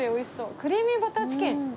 「クリーミーバターチキン」。